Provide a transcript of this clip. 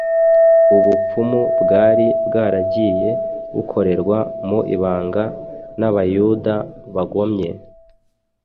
ubupfumu bwari bwaragiye bukorerwa mu ibanga n’Abayuda bagomye.